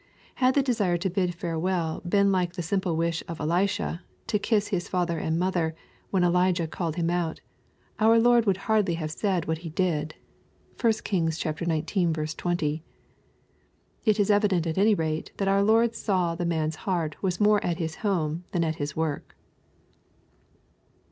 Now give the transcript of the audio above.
Had the desire to bid farewell been like the simple wish of Elisha, '^ to kiss his father and mother," when Elijah called him^ our Lord would hardly have said what He did. (1 Kings xix. 20.) It is evident at any rate that our Lord saw the man's heart was more at his home than at his work.